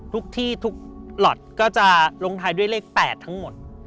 ทุกที่ทุกหลอทก็จะลงท้ายด้วยเลข๘ทั้งหมด